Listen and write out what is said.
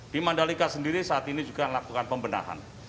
di mandalika sendiri saat ini juga melakukan pembenahan